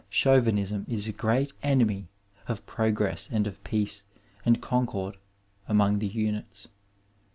Chauvinism is a great enemy of progress and of peace and concord among the units.